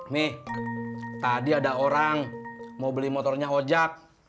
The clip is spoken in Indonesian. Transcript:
mi tadi ada orang mau beli motornya ojak